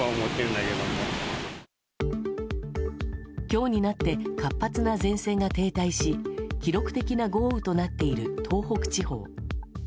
今日になって活発な前線が停滞し記録的な豪雨となっている東北地方。